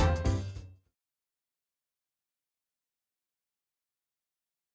jika anda mempunyai ke difficulties dengan butuhnya